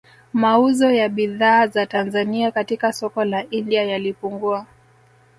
Mauzo ya bidhaa za Tanzania katika soko la India yalipungua